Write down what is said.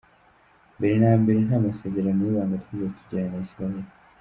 Mbere na mbere nta masezerano y’ibanga twigeze tugirana na Israel.